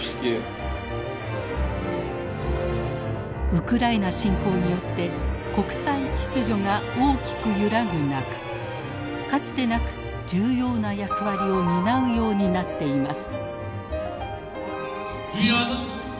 ウクライナ侵攻によって国際秩序が大きく揺らぐ中かつてなく重要な役割を担うようになっています。